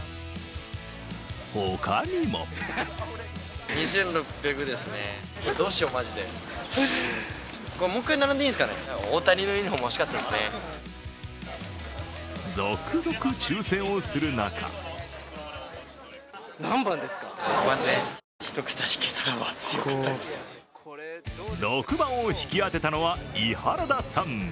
ほかにも続々、抽選をする中６番を引き当てたのは、居原田さん。